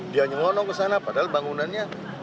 dia nyelonong ke sana padahal bangunannya itu